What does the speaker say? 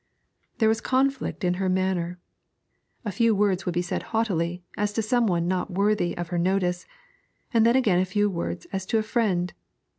There was conflict in her manner; a few words would be said haughtily, as to some one not worthy of her notice, and then again a few words as to a friend.